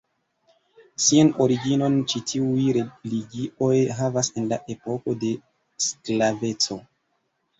Sian originon ĉi tiuj religioj havas en la epoko de sklaveco.